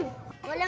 belum masuk lagi